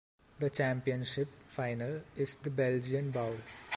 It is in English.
The championship final is the Belgian Bowl.